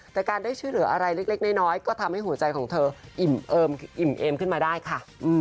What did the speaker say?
แต่การได้ช่วยเหลืออะไรเล็กน้อยก็ทำให้หัวใจของเธออิ่มอิ่มเอมขึ้นมาได้ค่ะ